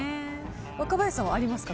若林さんはありますか？